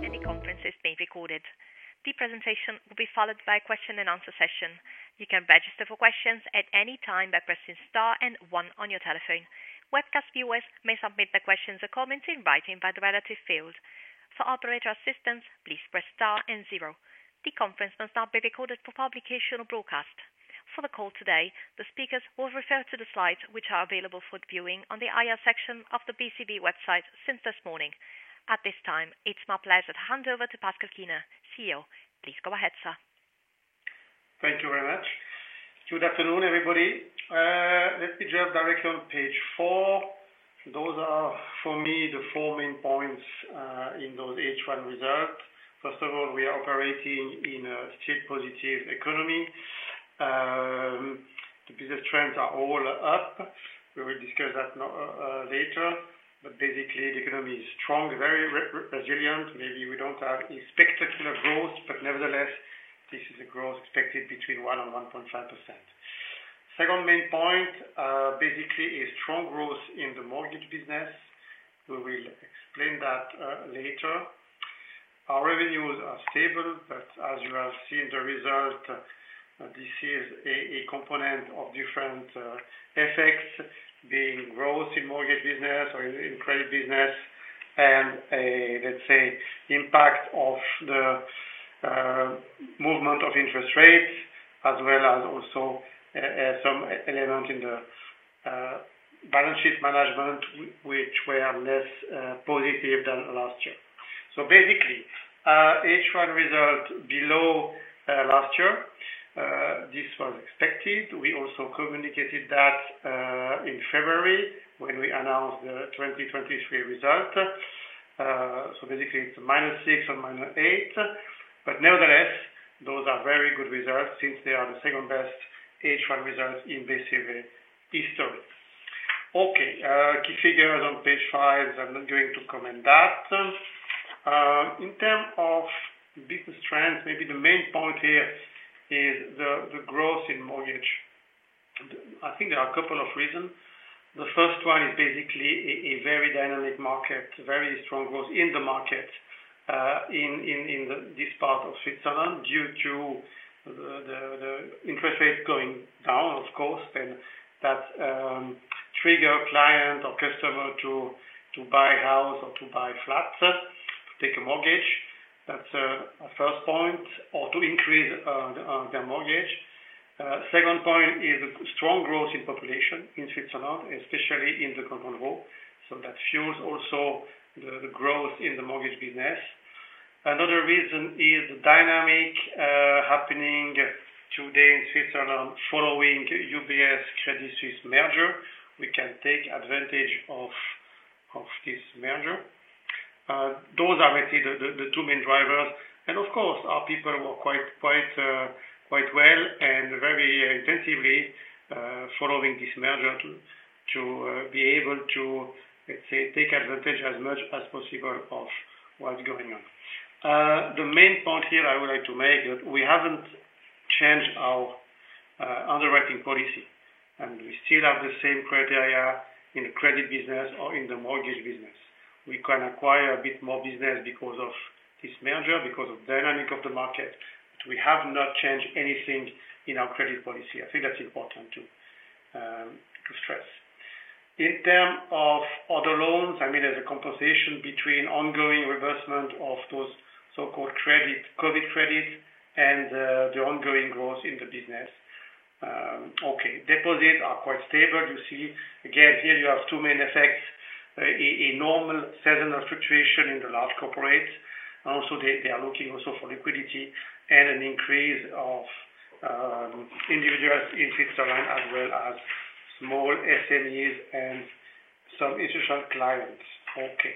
The conference is being recorded. The presentation will be followed by a question-and-answer session. You can register for questions at any time by pressing star and one on your telephone. Webcast viewers may submit their questions or comments in writing via the relative field. For operator assistance, please press star and zero. The conference must now be recorded for publication or broadcast. For the call today, the speakers will refer to the slides, which are available for viewing on the IR section of the BCV website since this morning. At this time, it's my pleasure to hand over to Pascal Kiener, CEO. Please go ahead, sir. Thank you very much. Good afternoon, everybody. Let me jump directly on page four. Those are, for me, the four main points in those H1 results. First of all, we are operating in a still positive economy. The business trends are all up. We will discuss that later, but basically, the economy is strong, very resilient. Maybe we don't have a spectacular growth, but nevertheless, this is a growth expected between 1% and 1.5%. Second main point, basically a strong growth in the mortgage business. We will explain that later. Our revenues are stable, but as you have seen the result, this is a component of different effects, being growth in mortgage business or in credit business, and a, let's say, impact of the movement of interest rates, as well as also some element in the balance sheet management, which were less positive than last year. So basically, H1 result below last year, this was expected. We also communicated that in February, when we announced the twenty-twenty-three result. So basically it's minus six or minus eight, but nevertheless, those are very good results since they are the second best H1 results in BCV history. Okay, key figures on page five, I'm not going to comment that. In terms of business trends, maybe the main point here is the growth in mortgage. I think there are a couple of reasons. The first one is basically a very dynamic market, very strong growth in the market in this part of Switzerland, due to the interest rates going down, of course, and that trigger client or customer to buy a house or to buy flats, to take a mortgage. That's our first point, or to increase their mortgage. Second point is strong growth in population in Switzerland, especially in the Canton of Vaud. So that fuels also the growth in the mortgage business. Another reason is the dynamic happening today in Switzerland following UBS Credit Suisse merger. We can take advantage of this merger. Those are actually the two main drivers, and of course, our people work quite well and very intensively following this merger to be able to, let's say, take advantage as much as possible of what's going on. The main point here I would like to make, that we haven't changed our underwriting policy, and we still have the same criteria in the credit business or in the mortgage business. We can acquire a bit more business because of this merger, because of dynamic of the market, but we have not changed anything in our credit policy. I think that's important to stress. In terms of other loans, I mean, there's a compensation between ongoing reimbursement of those so-called credit, COVID credits, and the ongoing growth in the business. Okay, deposits are quite stable. You see, again, here you have two main effects. A, a normal seasonal fluctuation in the large corporates, and also they are looking also for liquidity and an increase of individuals in Switzerland, as well as small SMEs and some institutional clients. Okay.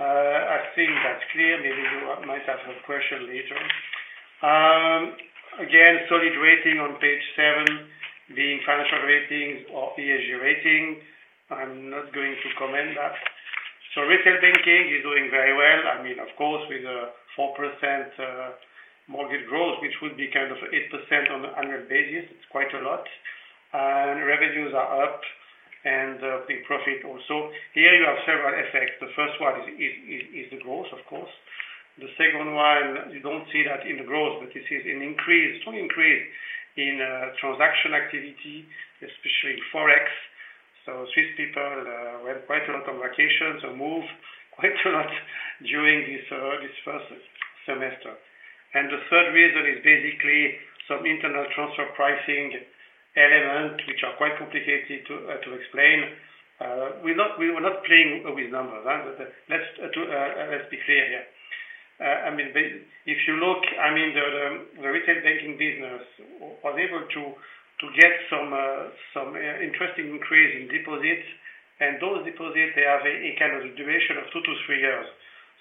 I think that's clear. Maybe you might have a question later. Again, solid rating on page seven, the financial ratings or ESG rating. I'm not going to comment that. So retail banking is doing very well. I mean, of course, with a 4% mortgage growth, which would be kind of 8% on an annual basis, it's quite a lot. Revenues are up and the profit also. Here you have several effects. The first one is the growth, of course. The second one, you don't see that in the growth, but this is an increase, total increase in transaction activity, especially in Forex, so Swiss people went quite a lot on vacations or moved quite a lot during this first semester, and the third reason is basically some internal transfer pricing element, which are quite complicated to explain. We're not, we were not playing with numbers, but let's be clear here. I mean, if you look, I mean, the retail banking business was able to get some interesting increase in deposits, and those deposits, they have a kind of duration of two to three years,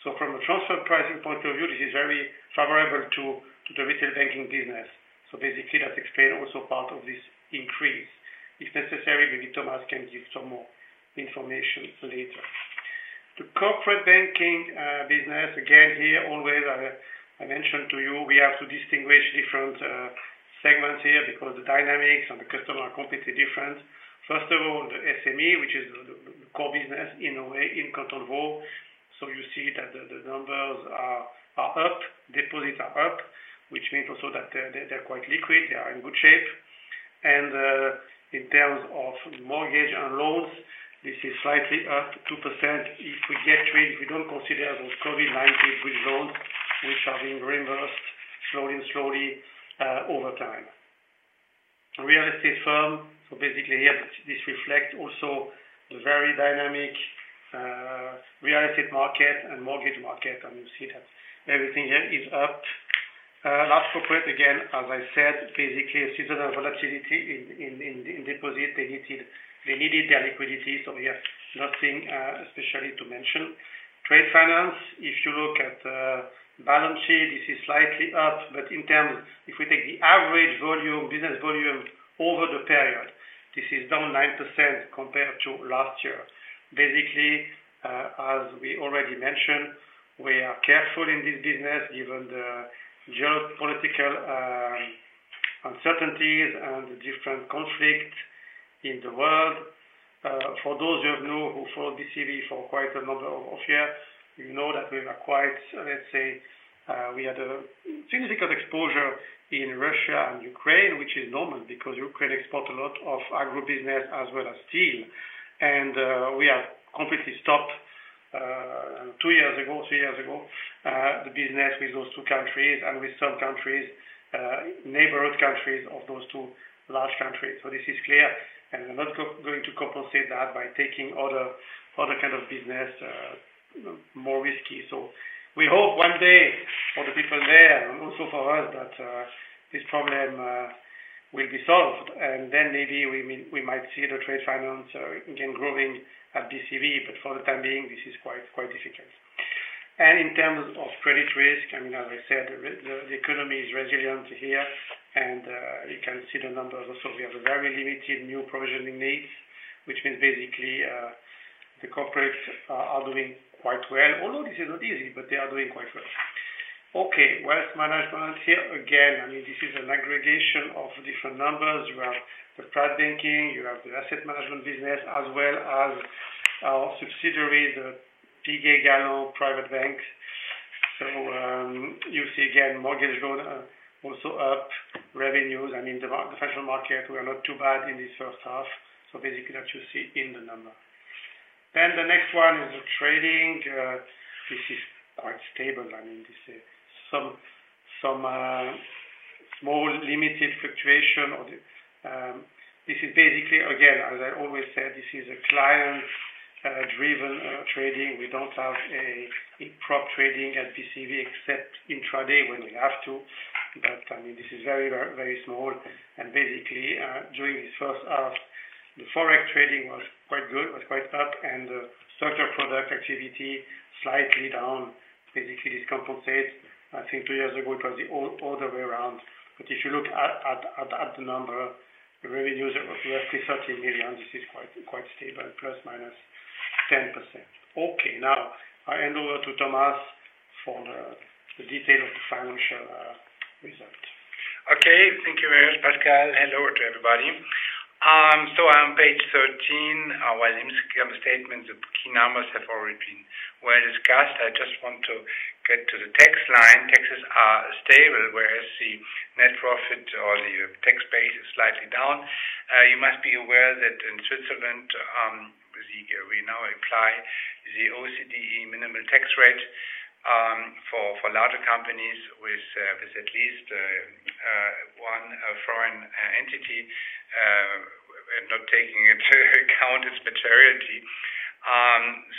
so from a transfer pricing point of view, this is very favorable to the retail banking business. So basically, that explain also part of this increase. If necessary, maybe Thomas can give some more information later. The corporate banking business, again, I mentioned to you, we have to distinguish different segments here because the dynamics and the customer are completely different. First of all, the SME, which is the core business in a way, in control group. So you see that the numbers are up, deposits are up, which means also that they're quite liquid, they are in good shape. And in terms of mortgage and loans, this is slightly up 2%. If we get rid, we don't consider those COVID-19 loans, which are being reimbursed slowly over time. Real estate firm, so basically here, this reflect also the very dynamic, real estate market and mortgage market, and you see that everything here is up. Large corporates, again, as I said, basically, a seasonal volatility in deposit. They needed their liquidity, so we have nothing especially to mention. Trade finance, if you look at the balance sheet, this is slightly up, but in terms, if we take the average volume, business volume over the period, this is down 9% compared to last year. Basically, as we already mentioned, we are careful in this business given the geopolitical uncertainties and the different conflict in the world. For those of you who followed BCV for quite a number of years, you know that we are quite, let's say, we had a significant exposure in Russia and Ukraine, which is normal because Ukraine export a lot of agribusiness as well as steel. We have completely stopped two years ago, three years ago, the business with those two countries and with some countries, neighborhood countries of those two large countries. This is clear, and we're not going to compensate that by taking other kind of business, more risky. We hope one day for the people there, and also for us, that this problem will be solved, and then maybe we might see the trade finance again, growing at BCV, but for the time being, this is quite difficult. In terms of credit risk, I mean, as I said, the economy is resilient here, and you can see the numbers. Also, we have a very limited new provisioning needs, which means basically the corporates are doing quite well, although this is not easy, but they are doing quite well. Okay, wealth management. Here, again, I mean, this is an aggregation of different numbers. You have the private banking, you have the asset management business, as well as our subsidiary, the Piguet Galland Private Bank. So you see again, mortgage loan also up, revenues, I mean, the financial market, we are not too bad in this first half, so basically that you see in the number. Then the next one is the trading. This is quite stable. I mean, this is some small, limited fluctuation or the... This is basically, again, as I always said, this is a client driven trading. We don't have a prop trading at BCV, except intraday, when we have to. But, I mean, this is very, very small. And basically, during this first half, the Forex trading was quite good, was quite up, and the structured product activity slightly down. Basically, this compensates. I think two years ago, it was the other way around. But if you look at the number, the revenues were up to 30 million. This is quite, quite stable, ±10%. Okay, now, I hand over to Thomas for the detail of the financial result. Okay, thank you very much, Pascal. Hello to everybody. So on page 13, our interim statement, the key numbers have already been well-discussed. I just want to get to the tax line. Taxes are stable, whereas the net profit or the tax base is slightly down. You must be aware that in Switzerland, we now apply the OECD minimal tax rate, for larger companies with at least one foreign entity, and not taking into account its materiality.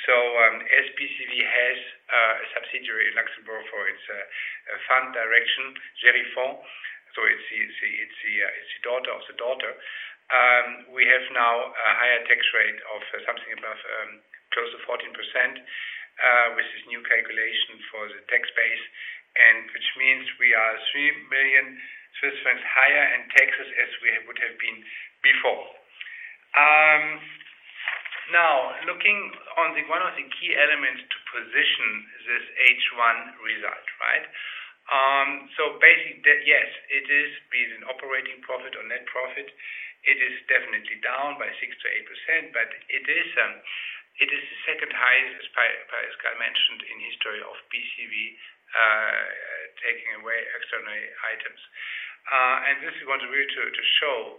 So, BCV has a subsidiary in Luxembourg for its fund direction, Gérifonds. So it's the daughter of the daughter. We have now a higher tax rate of something above close to 14%, with this new calculation for the tax base, and which means we are 3 million Swiss francs higher in taxes as we would have been before. Now, looking on the one of the key elements to position this H1 result, right? It is been an operating profit or net profit. It is definitely down by 6%-8%, but it is the second highest, as Pascal mentioned, in history of BCV, taking away extraordinary items. And this is what we want to show.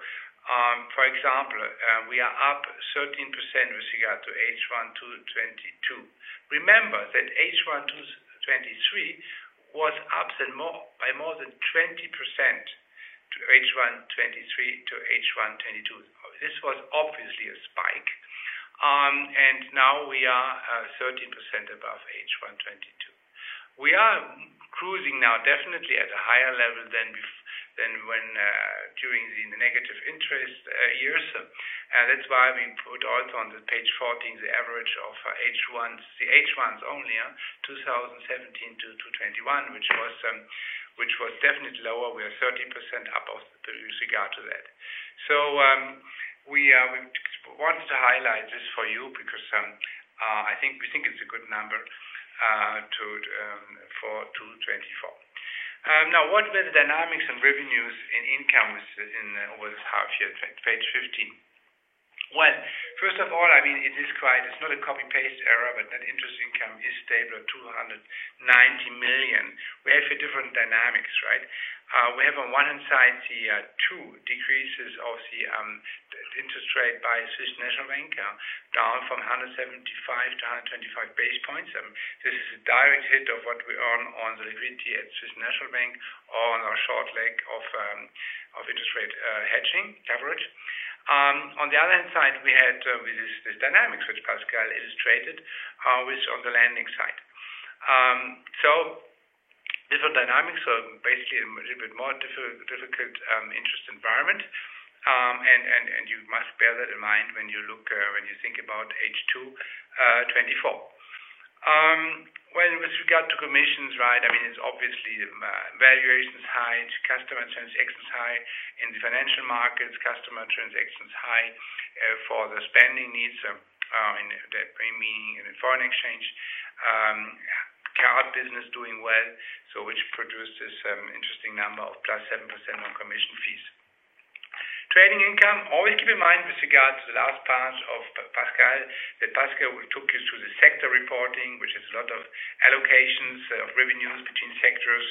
For example, we are up 13% with regard to H1 2022. Remember that H1 2023 was up than more, by more than 20% to H1 2023 to H1 2022. This was obviously a spike. And now we are 13% above H1 2022. We are cruising now definitely at a higher level than when during the negative interest years. And that's why we put also on the page 14, the average of H1, the H1s only 2017 to 2021, which was... Which was definitely lower. We are 30% up of with regard to that. So we want to highlight this for you because I think- we think it's a good number to for 2024. Now, what were the dynamics and revenues in incomes in with half year, page 15? Well, first of all, I mean, it is quite, it's not a copy-paste error, but that interest income is stable at 290 million. We have a different dynamics, right? We have on one side the two decreases of the interest rate by Swiss National Bank down from 175 to 125 basis points. This is a direct hit of what we earn on the liquidity at Swiss National Bank or on our short leg of interest rate hedging coverage. On the other hand side, we had with this dynamics, which Pascal illustrated with on the lending side. So different dynamics are basically a little bit more difficult interest environment. And you must bear that in mind when you look when you think about H2 2024. With regard to commissions, right? I mean, it's obviously valuation is high, customer transactions high. In the financial markets, customer transaction is high for the spending needs, I mean, in foreign exchange. Card business is doing well, so which produces interesting number of +7% on commission fees. Trading income, always keep in mind with regards to the last part of Pascal, that Pascal will took you through the sector reporting, which is a lot of allocations of revenues between sectors,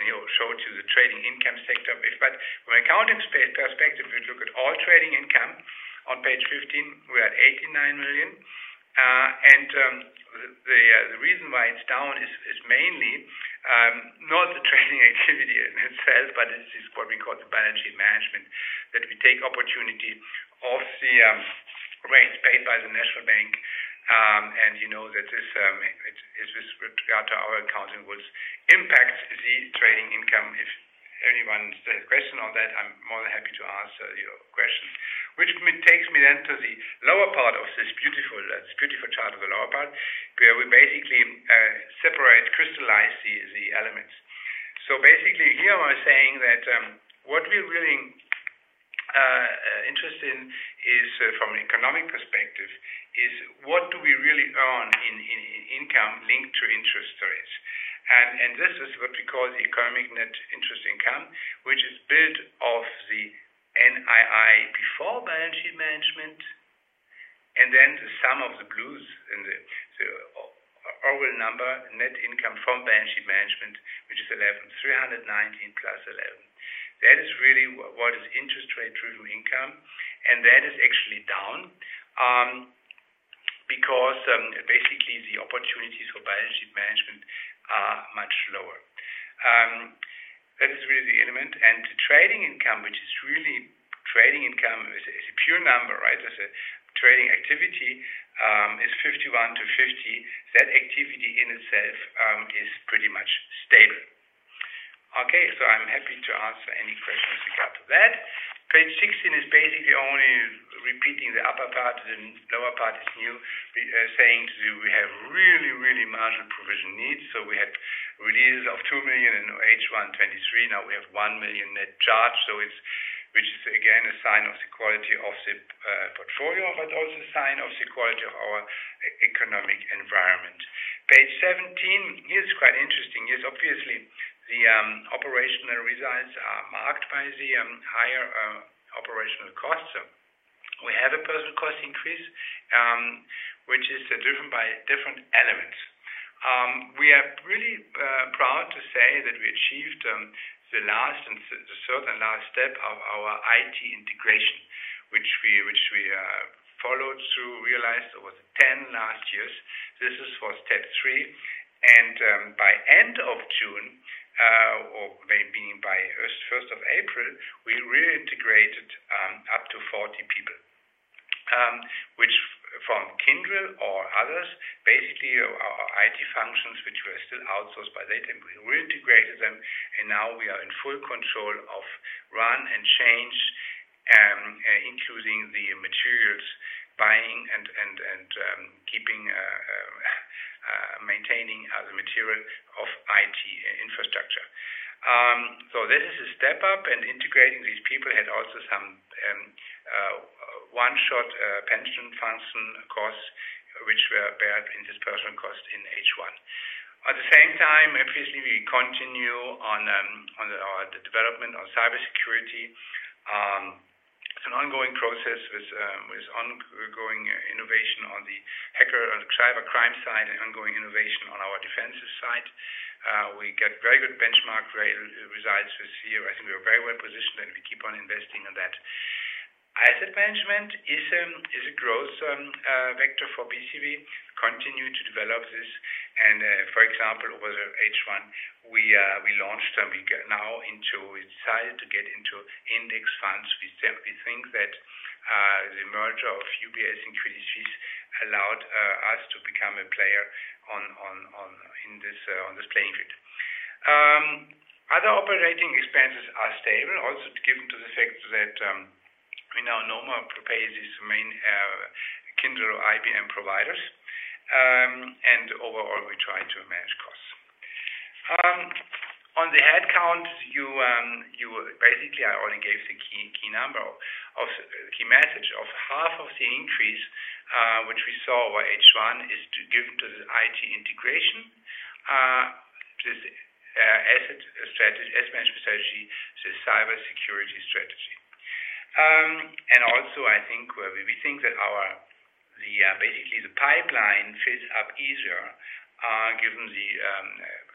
and he'll show it to the trading income sector. But from an accounting perspective, if you look at all trading income on page 15, we're at 89 million. And the reason why it's down is mainly not the trading activity in itself, but this is what we call the balance sheet management, that we take opportunity of the rates paid by the National Bank. And you know that this, it's, with regard to our accounting, which impacts the trading income. If anyone has a question on that, I'm more than happy to answer your question. Which takes me then to the lower part of this beautiful chart, the lower part, where we basically separate, crystallize the elements. So basically, here I'm saying that what we're really interested in is, from an economic perspective, is what do we really earn in income linked to interest rates? And this is what we call the economic net interest income, which is built of the NII before balance sheet management, and then the sum of the blues in the overall number, net income from balance sheet management, which is 11, 319 + 11. That is really what is interest rate contribution to income, and that is actually down, because, basically, the opportunities for balance sheet management are much lower. That is really the element. And the trading income, which is really trading income, is a pure number, right? As a trading activity, is 51-50. That activity in itself, is pretty much stable. Okay, so I'm happy to answer any questions regard to that. Page 16 is basically only repeating the upper part, and lower part is new, saying to you, we have really, really marginal provision needs. So we had releases of 2 million in H1 2023. Now we have 1 million net charge. So it's, which is again, a sign of the quality of the, portfolio, but also a sign of the quality of our economic environment. Page 17 is quite interesting. It is obviously the operational results are marked by the higher operational costs. So we have a personnel cost increase, which is driven by different elements. We are really proud to say that we achieved the last and the third and last step of our IT integration, which we followed through, realized over the last 10 years. This is for step three, and by the end of June or maybe by the first of April, we reintegrated up to 40 people which from Kyndryl or others, basically our IT functions, which were still outsourced by them. We reintegrated them, and now we are in full control of run and change, including the materials buying and keeping and maintaining the material of IT infrastructure. So this is a step up, and integrating these people had also some one-off pension funding costs, which were borne in these personnel costs in H1. At the same time, obviously, we continue on the development of cybersecurity. It's an ongoing process with ongoing innovation on the hacker and cybercrime side, and ongoing innovation on our defensive side. We got very good benchmark results this year. I think we are very well-positioned, and we keep on investing in that. Asset management is a growth vector for BCV. We continue to develop this. And, for example, over H1, we launched. We decided to get into index funds. We simply think that the merger of UBS and Credit Suisse allowed us to become a player on this playing field. Other operating expenses are stable, also given the fact that we now no more pay these main Kyndryl IBM providers. And overall, we try to manage costs. On the headcount, you basically I already gave the key message of half of the increase which we saw over H1 is to give to the IT integration to the asset management strategy to cybersecurity strategy. And also, I think we think that basically the pipeline fills up easier given the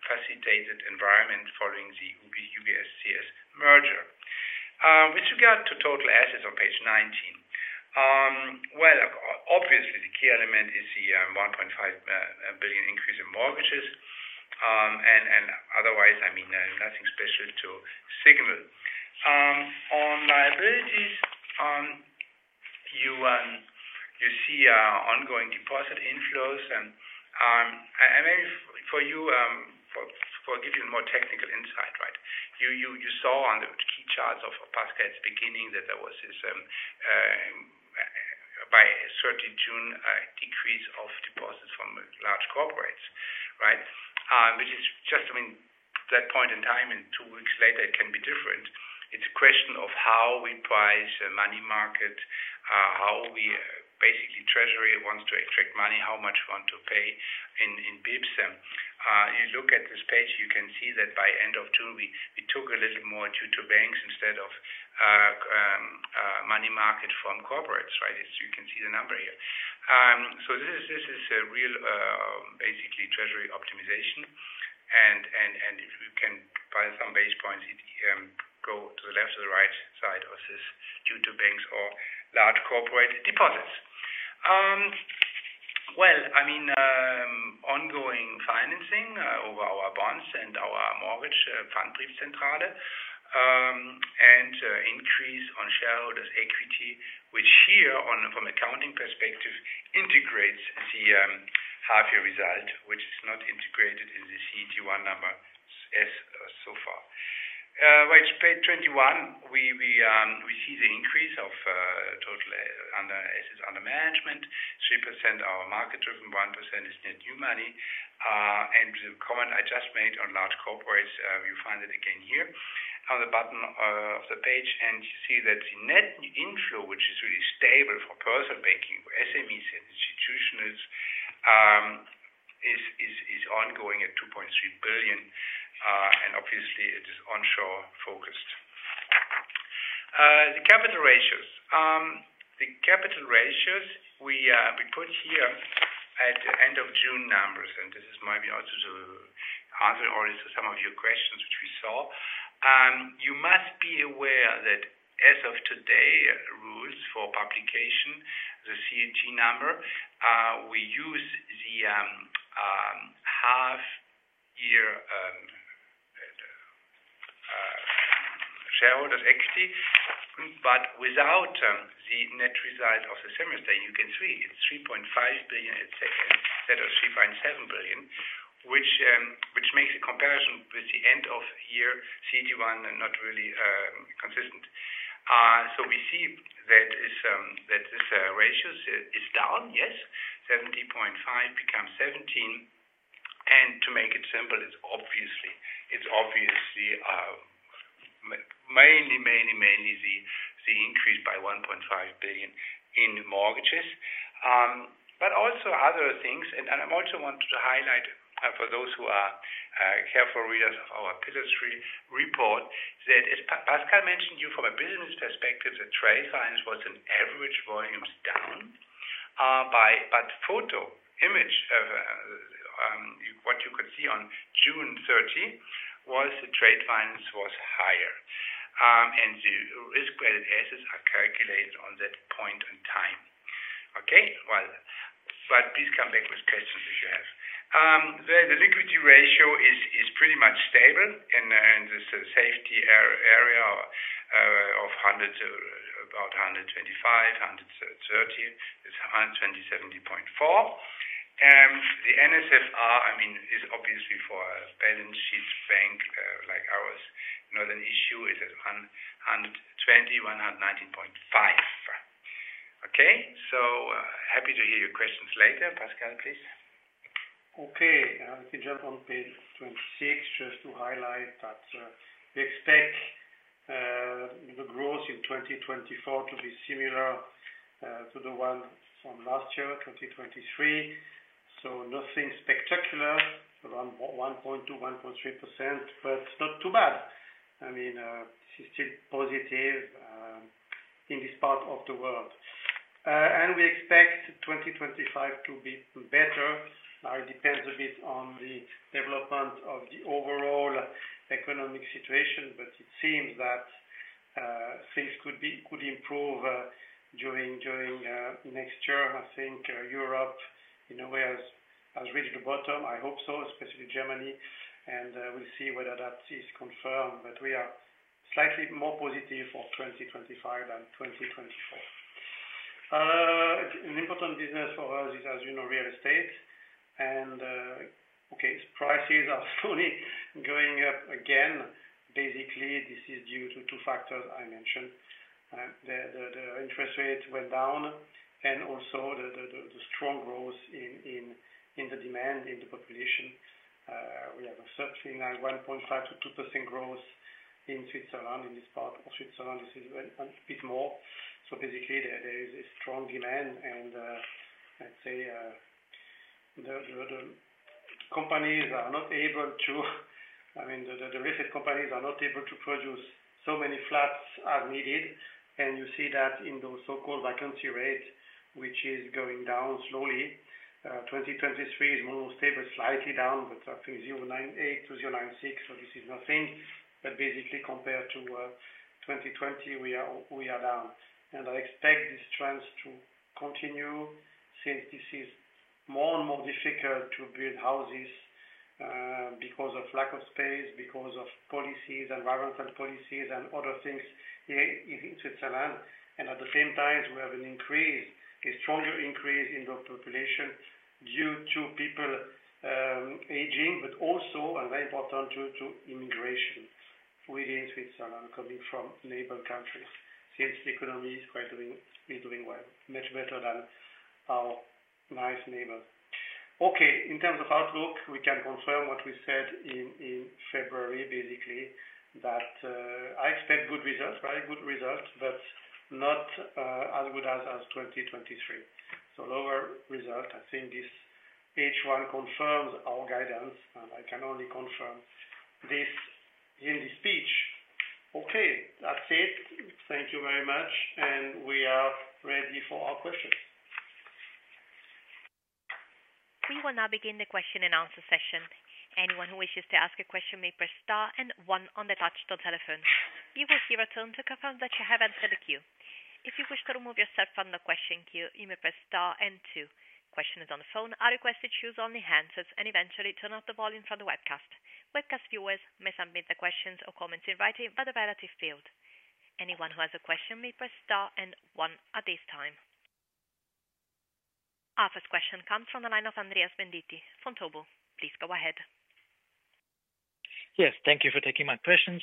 facilitated environment following the UBS CS merger. With regard to total assets on page 19, obviously, the key element is the 1.5 billion increase in mortgages. Otherwise, I mean, nothing special to signal. On liabilities, you see ongoing deposit inflows and, I mean, to give you a more technical insight, right? You saw on the key charts of Pascal at the beginning, that there was this, by 30 June, a decrease of deposits from large corporates, right? Which is just, I mean, that point in time, and two weeks later, it can be different. It's a question of how we price the money market, how we basically, treasury wants to extract money, how much we want to pay in basis points. You look at this page. You can see that by end of June, we took a little more due to banks instead of money market from corporates, right? As you can see the number here. So this is a real basically treasury optimization, and if you can find some basis points, it go to the left or the right side of this, due to banks or large corporate deposits. Well, I mean, ongoing financing over our bonds and our mortgage. An increase on shareholders' equity, which here on, from accounting perspective, integrates the half-year result, which is not integrated in the CET1 number as so far. On page 21, we see the increase of total assets under management. 3% are market-driven, 1% is net new money. And the comment I just made on large corporates, you find it again here on the bottom of the page, and you see that the net inflow, which is really stable for personal banking, for SMEs and institutionals, is ongoing at 2.3 billion, and obviously, it is onshore focused. The capital ratios. The capital ratios, we put here at the end of June numbers, and this is maybe also to answer or some of your questions, which we saw. You must be aware that as of today, rules for publication, the CET1 number, we use the half year shareholders' equity, but without the net result of the semester. You can see it's 3.5 billion, instead of 3.7 billion, which makes a comparison with the end of year CET1 are not really consistent. So we see that this ratios is down, yes, 17.5% becomes 17%. To make it simple, it's obviously mainly the increase by 1.5 billion in mortgages. But also other things, and I also wanted to highlight, for those who are careful readers of our Pillar 3 report, that as Pascal mentioned, you, from a business perspective, the trade finance was in average volumes down, but photo image of what you could see on June 30 was the trade finance was higher, and the risk-weighted assets are calculated on that point in time. Okay? Please come back with questions if you have. The liquidity ratio is pretty much stable, and this safety area of about 125, 130, it's 127.4. The NSFR, I mean, is obviously for a balance sheet bank like ours. Not an issue, is at 121, 190.5. Okay? So, happy to hear your questions later. Pascal, please. Okay. We jump on page 26, just to highlight that, we expect the growth in 2024 to be similar to the one from last year, 2023. So nothing spectacular, around 1.2%-1.3%, but not too bad. I mean, this is still positive in this part of the world. And we expect 2025 to be better. It depends a bit on the development of the overall economic situation, but it seems that things could improve during next year. I think Europe, in a way, has reached the bottom. I hope so, especially Germany. And we'll see whether that is confirmed, but we are slightly more positive for 2025 than 2024. An important business for us is, as you know, real estate. Okay, prices are slowly going up again. Basically, this is due to two factors I mentioned. The interest rates went down, and also the strong growth in the demand in the population. We have something like 1.5%-2% growth in Switzerland. In this part of Switzerland, this is a bit more. So basically there is a strong demand and, let's say, the companies are not able to, I mean, the construction companies are not able to produce so many flats as needed. And you see that in those so-called vacancy rate, which is going down slowly. 2023 is more stable, slightly down, but up to 0.8%-0.6%. This is nothing, but basically compared to 2020 we are down. I expect this trends to continue since this is more and more difficult to build houses because of lack of space, because of policies, environmental policies and other things here in Switzerland. At the same time, we have an increase, a stronger increase in the population due to people aging, but also and very important, due to immigration within Switzerland, coming from neighbor countries, since the economy is doing well, much better than our nice neighbor. Okay, in terms of outlook, we can confirm what we said in February, basically, that I expect good results, very good results, but not as good as 2023. Lower result. I think this H1 confirms our guidance, and I can only confirm this in this speech. Okay, that's it. Thank you very much, and we are ready for our questions. We will now begin the question-and-answer session. Anyone who wishes to ask a question may press star and one on the touch-tone telephone. You will hear a tone to confirm that you have entered the queue. If you wish to remove yourself from the question queue, you may press star and two. Questions on the phone are requested to use only hand raised, and eventually turn off the volume from the webcast. Webcast viewers may submit their questions or comments in writing by the relevant field. Anyone who has a question may press star and one at this time. Our first question comes from the line of Andreas Venditti from Vontobel. Please go ahead. Yes, thank you for taking my questions.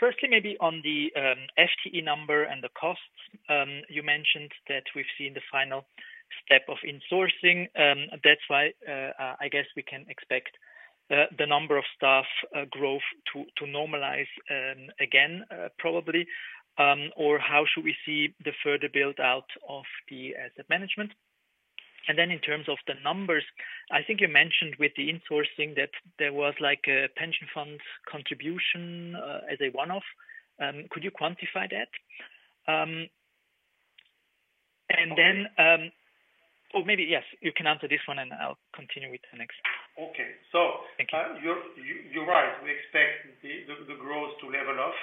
Firstly, maybe on the FTE number and the costs. You mentioned that we've seen the final step of insourcing. That's why I guess we can expect the number of staff growth to normalize again, probably. Or how should we see the further build out of the asset management? And then in terms of the numbers, I think you mentioned with the insourcing, that there was like a pension fund contribution as a one-off. Could you quantify that? And then... Or maybe, yes, you can answer this one, and I'll continue with the next. Thank you. You're right. We expect the growth to level off.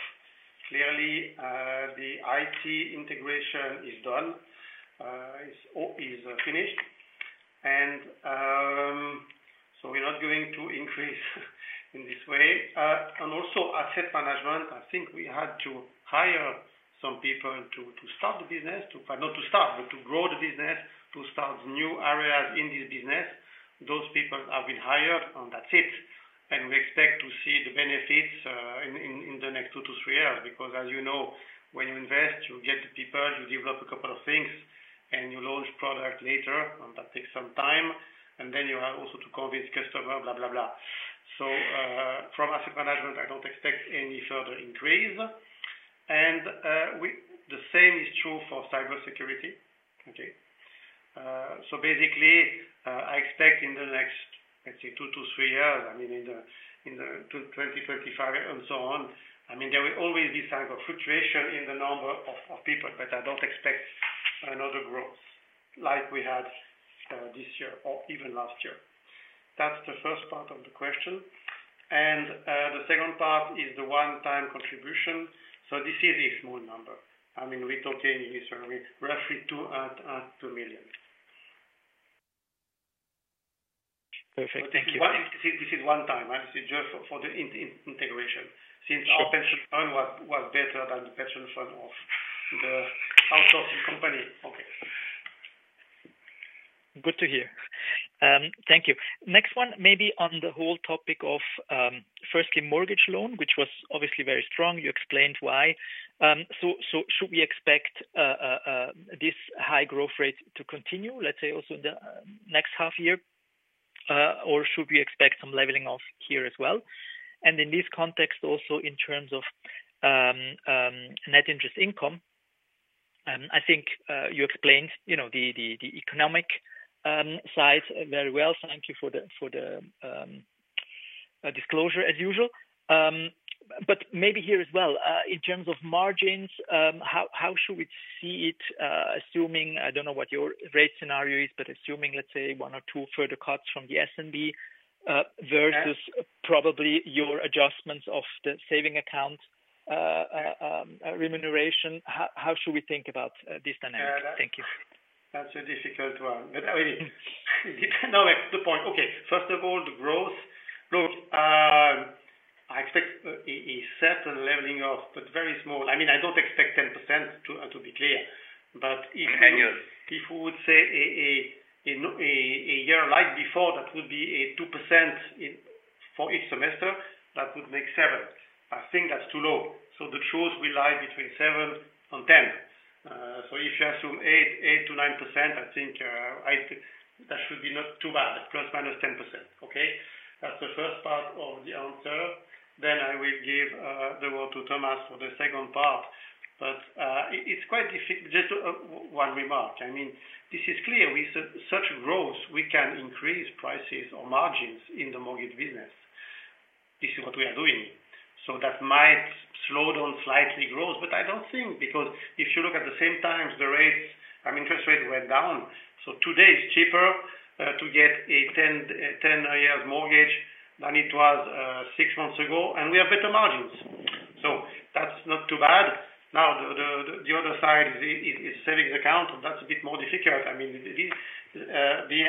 Clearly, the IT integration is done, is finished, and so we're not going to increase in this way. And also asset management, I think we had to hire some people to start the business. Not to start, but to grow the business, to start new areas in this business. Those people have been hired, and that's it. We expect to see the benefits in the next two to three years. Because as you know, when you invest, you get the people, you develop a couple of things, and you launch product later, and that takes some time, and then you have also to convince customers, blah, blah, blah. From asset management, I don't expect any further increase. The same is true for cybersecurity. Okay? So basically, I expect in the next, let's say, two to three years. I mean, in the 2025 and so on. I mean, there will always be some fluctuation in the number of people, but I don't expect another growth like we had this year or even last year. That's the first part of the question. The second part is the one-time contribution. So this is a small number. I mean, we're talking here roughly CHF 2 million. Perfect. Thank you. This is one time, this is just for the integration. Sure. Since our pension plan was better than the pension plan of the outsourcing company. Okay. Good to hear. Thank you. Next one, maybe on the whole topic of, firstly, mortgage loan, which was obviously very strong. You explained why. So should we expect this high growth rate to continue, let's say, also in the next half year? Or should we expect some leveling off here as well? And in this context, also in terms of net interest income, and I think you explained, you know, the economic side very well. Thank you for the disclosure as usual. But maybe here as well, in terms of margins, how should we see it, assuming, I don't know what your rate scenario is, but assuming, let's say, one or two further cuts from the SNB, versus- Yeah. - Probably your adjustments of the savings accounts remuneration, how should we think about this dynamic? Yeah. Thank you. That's a difficult one, but no, it's the point. Okay. First of all, the growth. Look, I expect a certain leveling off, but very small. I mean, I don't expect 10%, to, to be clear, but- Annual. If we would say a year like before, that would be a 2% in for each semester, that would make 7%. I think that's too low. So the truth will lie between 7% and 10%. So if you assume 8%-9%, I think that should be not too bad, ±10%. Okay? That's the first part of the answer. Then I will give the word to Thomas for the second part. But it's quite difficult. Just one remark. I mean, this is clear, with such growth, we can increase prices or margins in the mortgage business. This is what we are doing. So that might slow down slightly growth, but I don't think, because if you look at the same time, the rates, interest rates went down. Today it's cheaper to get a 10, 10 years mortgage than it was six months ago, and we have better margins. That's not too bad. Now, the other side is savings account, that's a bit more difficult. I mean, it is, the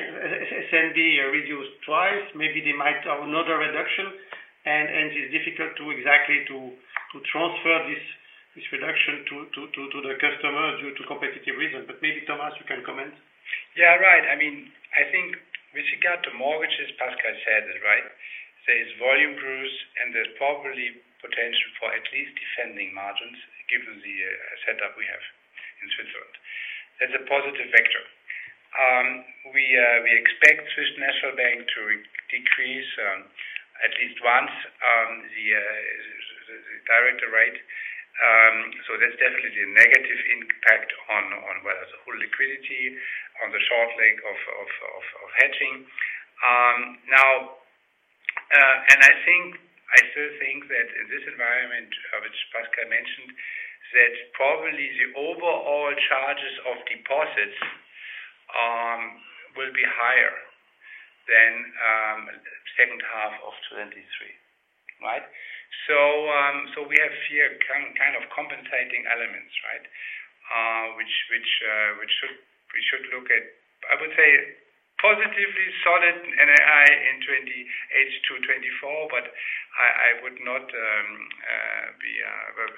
SNB reduced twice. Maybe they might have another reduction, and it's difficult exactly to transfer this reduction to the customer due to competitive reasons. Maybe, Thomas, you can comment. Yeah, right. I mean, I think with regard to mortgages, Pascal said it, right? There's volume growth, and there's probably potential for at least defending margins, given the setup we have in Switzerland. That's a positive factor. We expect Swiss National Bank to decrease at least once the policy rate. So that's definitely a negative impact on net interest income, on the whole liquidity, on the short leg of hedging. Now, and I think I still think that in this environment, which Pascal mentioned, that probably the overall cost of deposits will be higher than second half of 2023, right? So we have here kind of compensating elements, right? Which we should look at, I would say, positively solid NII in H2 2024, but I would not, well,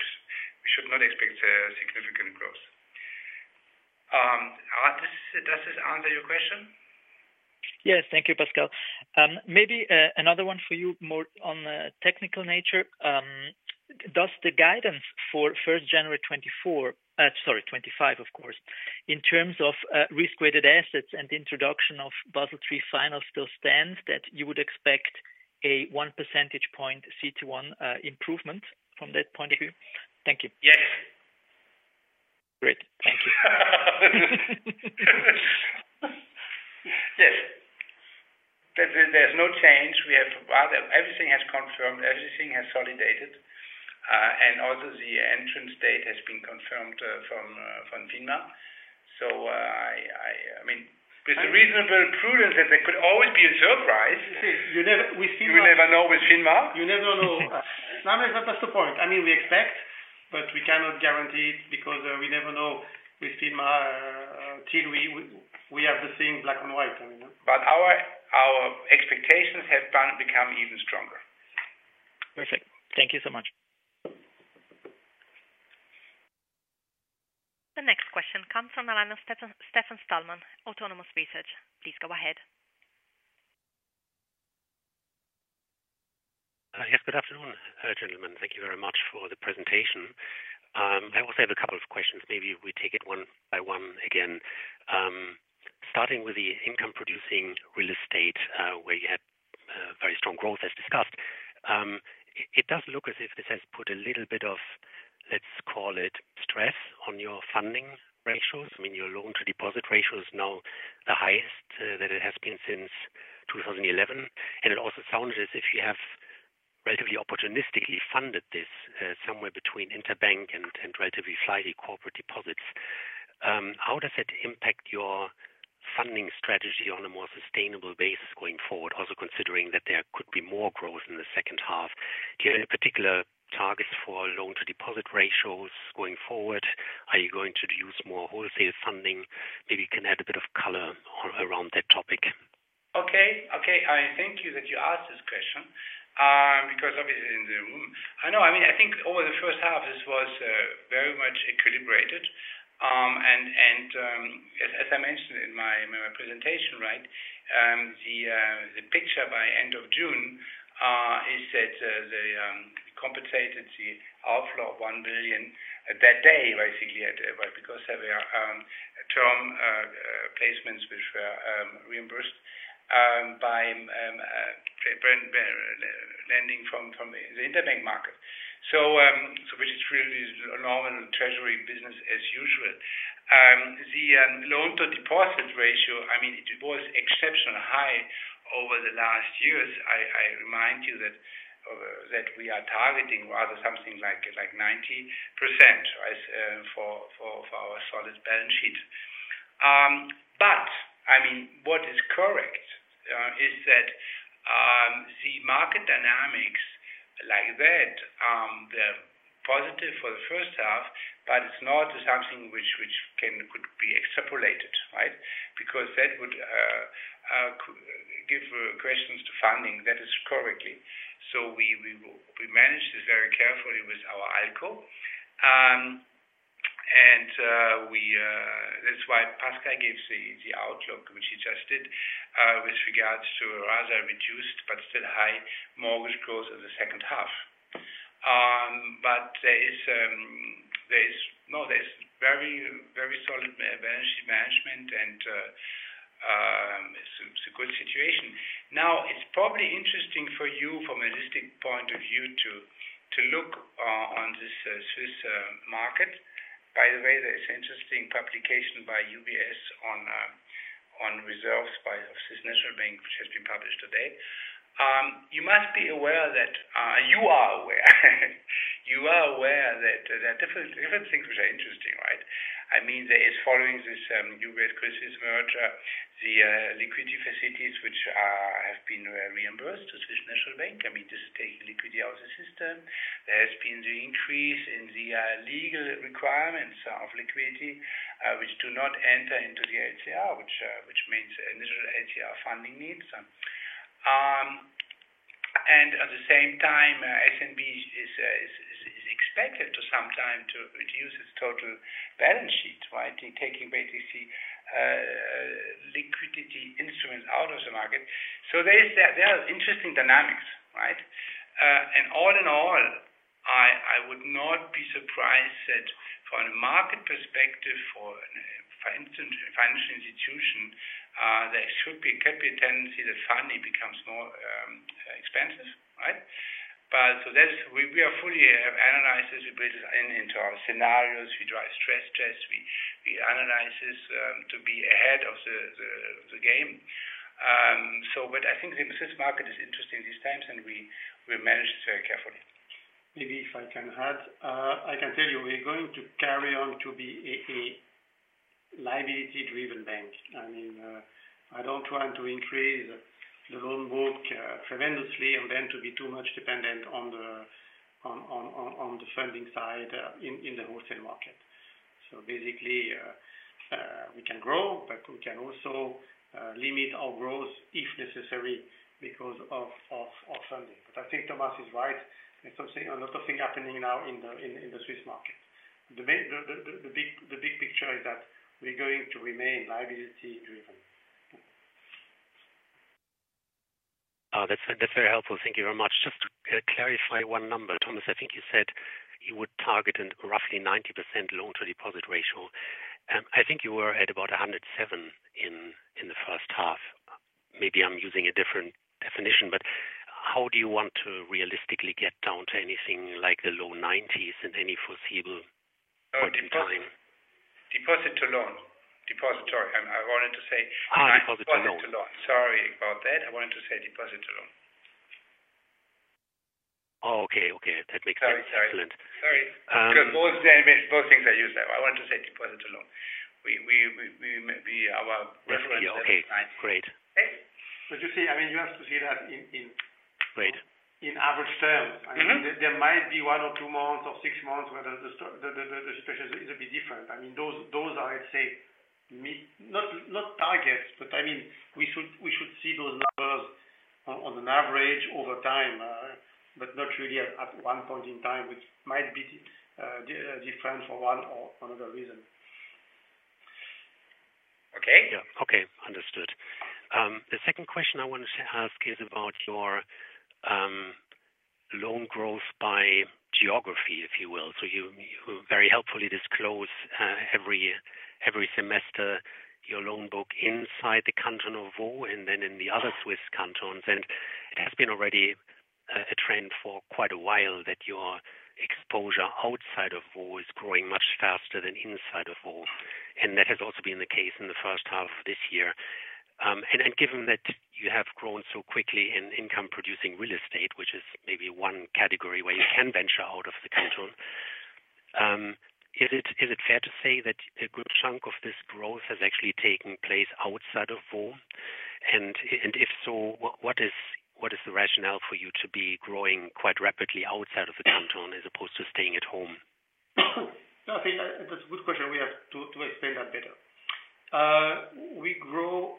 we should not expect a significant growth. Does this answer your question? Yes, thank you, Pascal. Maybe another one for you, more on the technical nature. Does the guidance for first January 2024, sorry, 2025, of course, in terms of risk-weighted assets and the introduction of Basel III final still stands, that you would expect a one percentage point CET1 improvement from that point of view? Thank you. Yes. Great, thank you. Yes. There's no change. We have everything has confirmed, everything has consolidated, and also the entrance date has been confirmed from FINMA. So, I mean, with reasonable prudence, that there could always be a surprise. You never, with FINMA- You never know with FINMA. You never know. No, that's the point. I mean, we expect, but we cannot guarantee it because we never know with FINMA till we have it in black and white, I mean. But our expectations have done become even stronger. Perfect. Thank you so much. The next question comes from the line of Stefan, Stefan Stalmann, Autonomous Research. Please go ahead. Yes, good afternoon, gentlemen. Thank you very much for the presentation. I also have a couple of questions. Maybe we take it one by one again. Starting with the income producing real estate, where you had very strong growth as discussed. It does look as if this has put a little bit of, let's call it, stress on your funding ratios. I mean, your loan to deposit ratio is now the highest that it has been since 2011. And it also sounds as if you have relatively opportunistically funded this, somewhere between interbank and relatively slightly corporate deposits. How does that impact your funding strategy on a more sustainable basis going forward, also considering that there could be more growth in the second half? Do you have any particular targets for loan to deposit ratios going forward? Are you going to use more wholesale funding? Maybe you can add a bit of color around that topic. Okay. Okay, I thank you that you asked this question, because obviously in the room... I know, I mean, I think over the first half, this was very much equilibrated. And, and, as, as I mentioned in my, my presentation, right? The picture by end of June is that the compensated the outflow of 1 billion that day, basically, because there were term placements which were reimbursed by lending from the interbank market. So which is really a normal treasury business as usual. The loan to deposit ratio, I mean, it was exceptionally high over the last years. I remind you that we are targeting rather something like 90%, right, for our solid balance sheet. But I mean, what is correct is that the market dynamics like that positive for the first half, but it's not something which could be extrapolated, right? Because that would could give questions to funding. That is correctly. So we manage this very carefully with our ALCO. And that's why Pascal gave the outlook, which he just did, with regards to rather reduced, but still high mortgage growth in the second half. But there is. No, there's very solid management, and it's a good situation. Now, it's probably interesting for you from a listing point of view, to look on this Swiss market. By the way, there is interesting publication by UBS on reserves by Swiss National Bank, which has been published today. You must be aware that there are different things which are interesting, right? I mean, there is following this new Credit Suisse merger, the liquidity facilities, which have been reimbursed to Swiss National Bank. I mean, this is taking liquidity out of the system. There has been the increase in the legal requirements of liquidity, which do not enter into the LCR, which means initial LCR funding needs. And at the same time, SNB is expected sometime to reduce its total balance sheet, right? In taking basically liquidity instruments out of the market. So there is that, there are interesting dynamics, right, and all in all, I would not be surprised that from a market perspective, for instance, a financial institution, there should be, could be a tendency that funding becomes more expensive, right, but so, there's we are fully analyzed this, we build this into our scenarios. We drive stress tests. We analyze this to be ahead of the game, so but I think the Swiss market is interesting these times, and we manage this very carefully. Maybe if I can add, I can tell you, we're going to carry on to be a liability-driven bank. I mean, I don't want to increase the loan book tremendously, and then to be too much dependent on the funding side in the wholesale market. So basically, we can grow, but we can also limit our growth if necessary, because of funding. But I think Thomas is right. There's a lot of things happening now in the Swiss market. The big picture is that we're going to remain liability-driven. That's, that's very helpful. Thank you very much. Just to clarify one number, Thomas, I think you said you would target in roughly 90% loan to deposit ratio. I think you were at about 107 in the first half. Maybe I'm using a different definition, but how do you want to realistically get down to anything like the low 90s in any foreseeable point in time? Deposit to loan. Deposit, sorry, I wanted to say- Ah, deposit to loan. Deposit to loan. Sorry about that. I wanted to say deposit to loan. Oh, okay. Okay, that makes sense. Sorry. Excellent. Sorry. Um- Because both things are used there. I want to say deposit to loan. We our reference- Okay, great. Okay. But you see, I mean, you have to see that in Great... in average terms. Mm-hmm. There might be one or two months or six months, whether the situation is a bit different. I mean, those are, I'd say, not targets, but I mean, we should see those numbers on an average over time, but not really at one point in time, which might be different for one or another reason. Okay. Yeah. Okay, understood. The second question I wanted to ask is about your loan growth by geography, if you will. So you very helpfully disclose every semester your loan book inside the Canton of Vaud, and then in the other Swiss cantons. And it has been already a trend for quite a while that your exposure outside of Vaud is growing much faster than inside of Vaud. And that has also been the case in the first half of this year. And given that you have grown so quickly in income producing real estate, which is maybe one category where you can venture out of the canton, is it fair to say that a good chunk of this growth has actually taken place outside of Vaud? If so, what is the rationale for you to be growing quite rapidly outside of the canton, as opposed to staying at home? I think that's a good question. We have to, to explain that better. We grow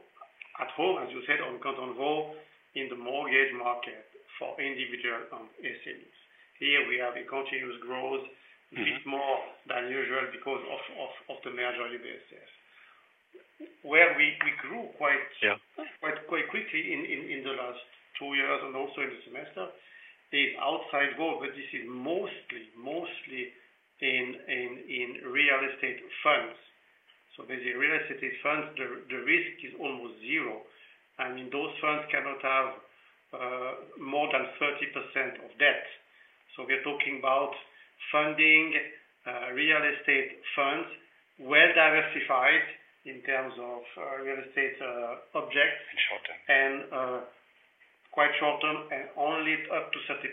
at Vaud, as you said, on Canton Vaud, in the mortgage market for individual, SMEs. Here we have a continuous growth- Mm-hmm. a bit more than usual because of the merger with UBS. Where we grew quite- Yeah... quite quickly in the last two years and also in the semester, is outside Vaud, but this is mostly in real estate funds. So basically real estate funds, the risk is almost zero. I mean, those funds cannot have more than 30% of debt. So we're talking about funding real estate funds, well-diversified in terms of real estate objects. Short-term. And quite short-term and only up to 30%.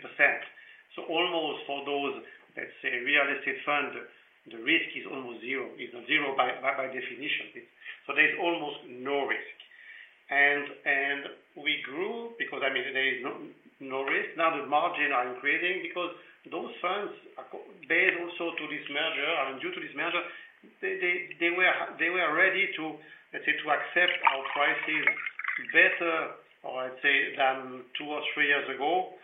So almost for those, let's say, real estate funds, the risk is almost zero, is zero by definition. So there's almost no risk. We grew because, I mean, there is no risk. Now, the margins are increasing because those funds are also due to this merger and due to this merger, they were ready to, let's say, to accept our prices better, or I'd say, than two or three years ago,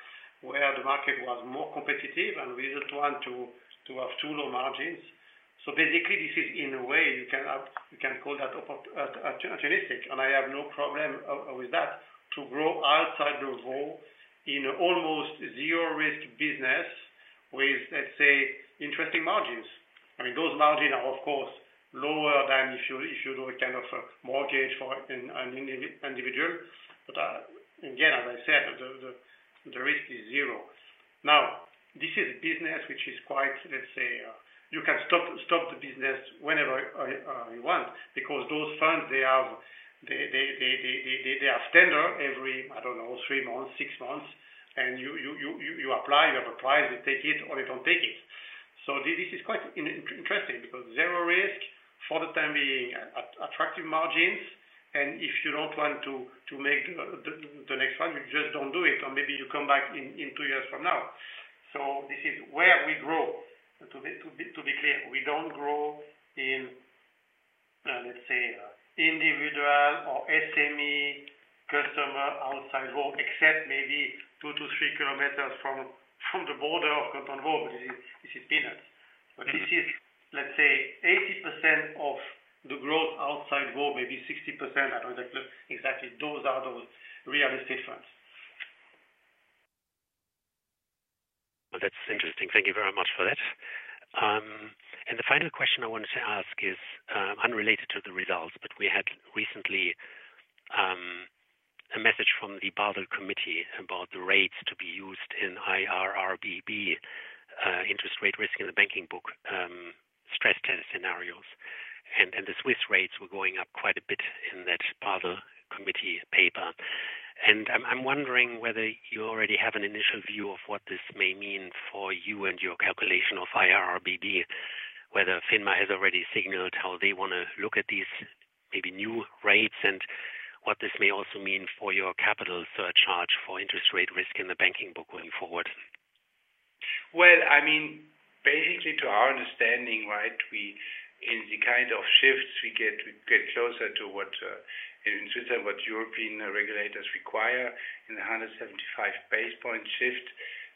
where the market was more competitive and we didn't want to have too low margins. So basically, this is in a way. You can call that opportunistic, and I have no problem with that, to grow outside the Vaud in almost zero-risk business with, let's say, interesting margins. I mean, those margins are of course lower than if you do a kind of a mortgage for an individual. But again, as I said, the risk is zero. Now, this is business, which is quite, let's say, you can stop the business whenever you want, because those funds, they are standard every, I don't know, three months, six months, and you apply, you have a price, you take it or you don't take it. So this is quite interesting because zero risk for the time being, attractive margins, and if you don't want to make the next one, you just don't do it, or maybe you come back in two years from now. So this is where we grow. To be clear, we don't grow in, let's say, individual or SME customer outside Vaud, except maybe 2 km-3 km from the border of Canton Vaud, but this is peanuts. But this is, let's say, 80% of the growth outside Vaud, maybe 60%. I don't know exactly. Those are real estate funds. That's interesting. Thank you very much for that, and the final question I wanted to ask is, unrelated to the results, but we had recently a message from the Basel Committee about the rates to be used in IRRBB, interest rate risk in the banking book, stress test scenarios, and the Swiss rates were going up quite a bit in that Basel Committee paper, and I'm wondering whether you already have an initial view of what this may mean for you and your calculation of IRRBB, whether FINMA has already signaled how they want to look at these maybe new rates, and what this may also mean for your capital surcharge for interest rate risk in the banking book going forward? I mean, basically, to our understanding, right? In the kind of shifts we get, we get closer to what in Switzerland what European regulators require in 175 basis point shift.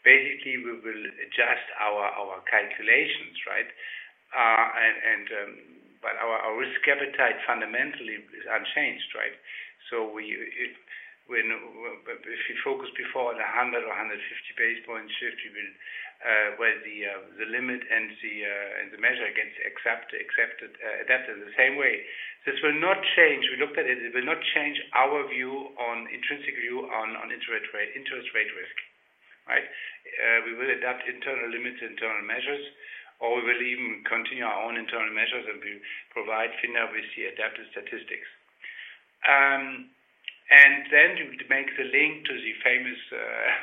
Basically, we will adjust our calculations, right? And but our risk appetite fundamentally is unchanged, right? When if you focus before on the 100 or 150 basis point shift, you will where the limit and the measure gets accepted, adapted the same way. This will not change. We looked at it. It will not change our intrinsic view on interest rate risk, right? We will adapt internal limits, internal measures, or we will even continue our own internal measures, and we provide FINMA with the adapted statistics. And then to make the link to the famous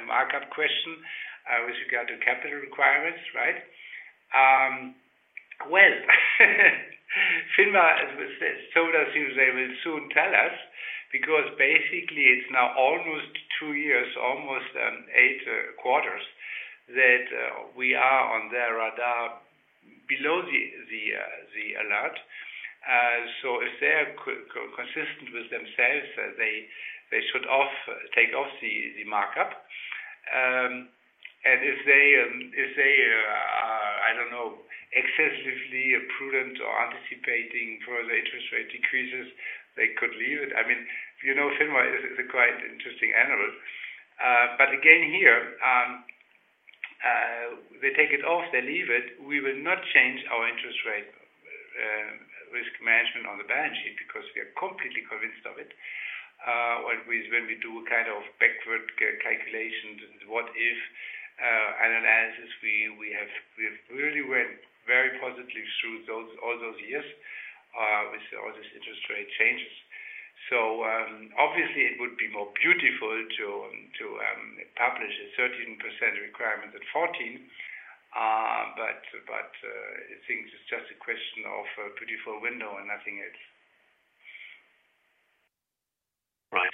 markup question with regard to capital requirements, right? Well, FINMA, as we said, so they will soon tell us, because basically, it's now almost two years, almost eight quarters that we are on their radar below the alert. So if they are consistent with themselves, they should take off the markup. And if they, I don't know, excessively prudent or anticipating further interest rate decreases, they could leave it. I mean, you know, FINMA is a quite interesting animal. But again, here, they take it off, they leave it, we will not change our interest rate risk management on the balance sheet because we are completely convinced of it. When we do kind of backward calculations, what-if analysis we've really went very positively through all those years with all these interest rate changes. Obviously, it would be more beautiful to establish a 13% requirement than 14%, but I think it's just a question of a beautiful window and nothing else. Right.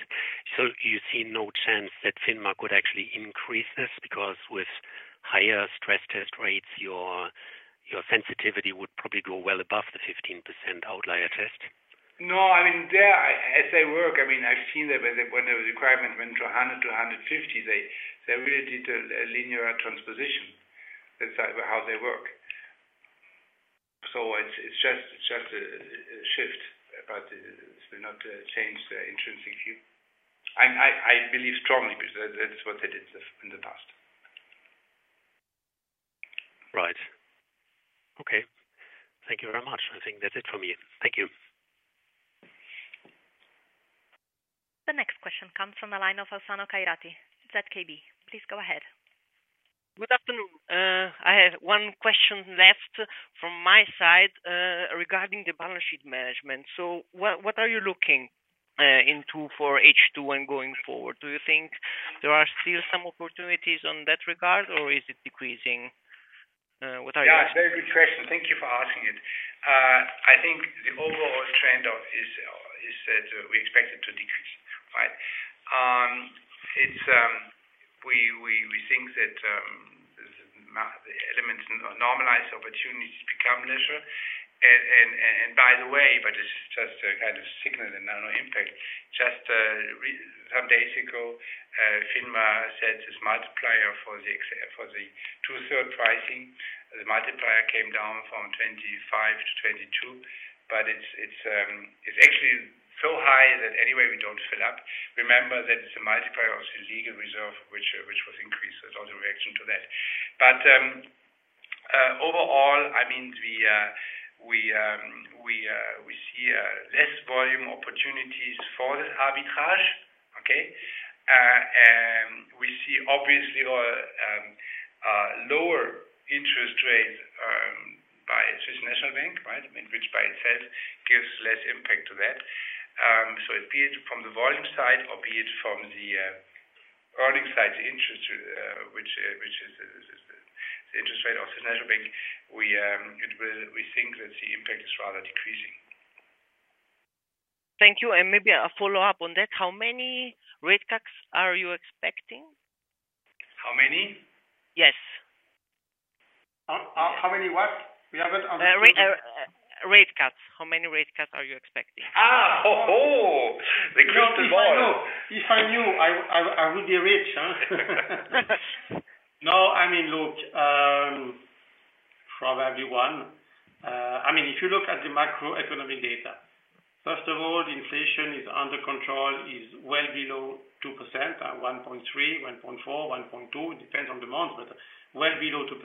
So you see no chance that FINMA could actually increase this? Because with higher stress test rates, your sensitivity would probably go well above the 15% outlier test. No, I mean, there, as they work, I mean, I've seen them, when the requirement went to 100-150, they really did a linear transposition. That's how they work. So it's just a shift, but it will not change the intrinsic view. I'm, I believe strongly, because that is what they did in the past. Right. Okay. Thank you very much. I think that's it for me. Thank you. The next question comes from the line of Alsino Curti, ZKB. Please go ahead. Good afternoon. I have one question left from my side, regarding the balance sheet management. So what are you looking into for H2 and going forward? Do you think there are still some opportunities on that regard, or is it decreasing? Yeah, very good question. Thank you for asking it. I think the overall trend is that we expect it to decrease, right? It's we think that the elements normalize opportunities become lesser. And by the way, but it's just a kind of signal and not impact. Just some days ago, FINMA set this multiplier for the tiered pricing. The multiplier came down from 25 to 22, but it's actually so high that anyway, we don't fill up. Remember that it's a multiplier of the legal reserve, which was increased, so it's also a reaction to that. But overall, I mean, we see less volume opportunities for the arbitrage, okay? And we see obviously lower interest rates by Swiss National Bank, right? Which by itself gives less impact to that. So be it from the volume side or be it from the earning side, the interest rate, which is the interest rate of the National Bank, we think that the impact is rather decreasing. Thank you, and maybe a follow-up on that. How many rate cuts are you expecting? How many? Yes. How many what? We haven't understood. Rate cuts. How many rate cuts are you expecting? Ah, oh, the crystal ball. If I knew, I would be rich, huh? No, I mean, look, probably one. I mean, if you look at the macroeconomic data, first of all, the inflation is under control, is well below 2%, 1.3%, 1.4%, 1.2%, it depends on the month, but well below 2%.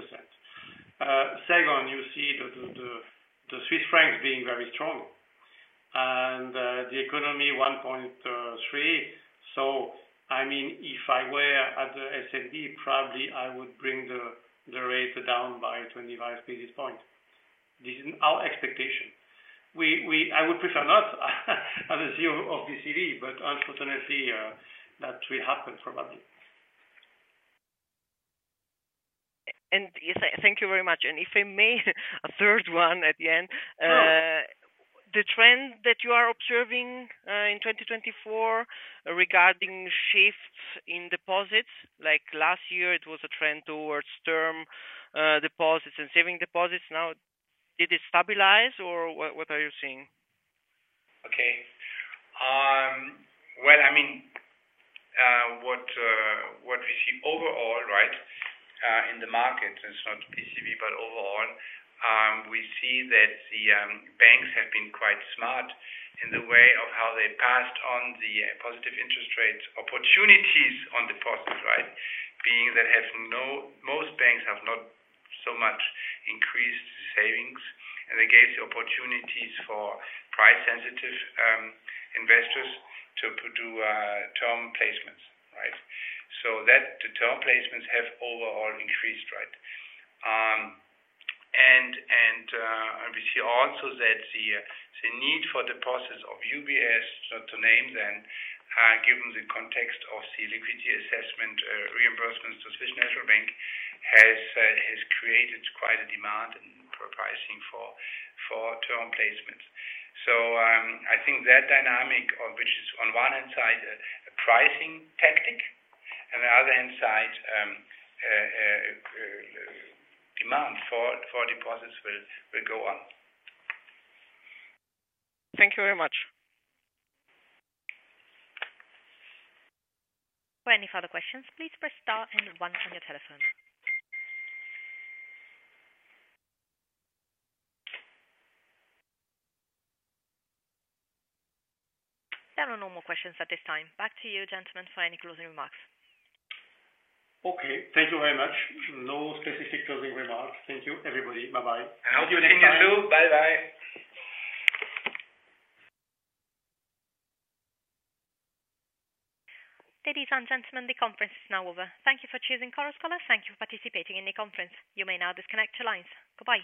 Second, you see the Swiss francs being very strong and, the economy 1.3%. So, I mean, if I were at the SNB, probably I would bring the rate down by 25 basis points. This is our expectation. I would prefer not, as a CEO of BCV, but unfortunately, that will happen probably. And yes, thank you very much. And if I may, a third one at the end. Sure. The trend that you are observing in 2024 regarding shifts in deposits, like last year it was a trend towards term deposits and savings deposits. Now, did it stabilize or what, what are you seeing? Okay. Well, I mean, what we see overall, right, in the market, it's not BCV, but overall, we see that the banks have been quite smart in the way of how they passed on the positive interest rates, opportunities on deposits, right? Most banks have not so much increased savings, and they gave the opportunities for price sensitive, investors to put to term placements, right? So that the term placements have overall increased, right? And we see also that the need for deposits of UBS, so to name them, given the context of the liquidity assessment, reimbursements to Swiss National Bank, has created quite a demand and pricing for term placements. So, I think that dynamic of which is on one hand side, a pricing tactic, and the other hand side, demand for deposits will go on. Thank you very much. For any further questions, please press star and one on your telephone. There are no more questions at this time. Back to you, gentlemen, for any closing remarks. Okay. Thank you very much. No specific closing remarks. Thank you, everybody. Bye-bye. [I hope you did too]. Bye-bye. Ladies and gentlemen, the conference is now over. Thank you for choosing Chorus Call. Thank you for participating in the conference. You may now disconnect your lines. Goodbye.